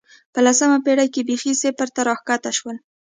په لسمه پېړۍ کې بېخي صفر ته راښکته شول